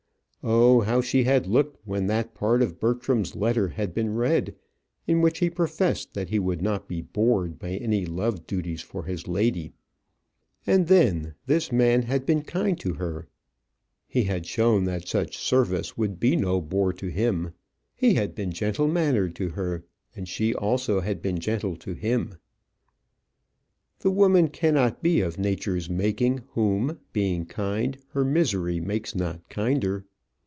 Oh, how she had looked when that part of Bertram's letter had been read, in which he professed that he would not be bored by any love duties for his lady! And then, this man had been kind to her; he had shown that such service would be no bore to him. He had been gentle mannered to her; and she also, she had been gentle to him: "The woman cannot be of nature's making Whom, being kind, her misery makes not kinder."